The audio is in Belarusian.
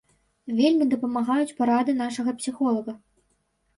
Вельмі дапамагаюць парады нашага псіхолага.